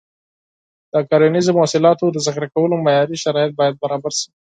د کرنیزو محصولاتو د ذخیره کولو معیاري شرایط باید برابر شي.